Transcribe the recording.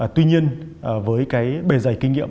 tuy nhiên với cái bề dày kinh nghiệm